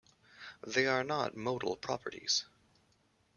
They are not modal properties.